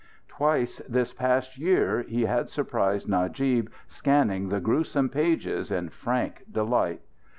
Twice this past year he had surprised Najib scanning the gruesome pages in frank delight.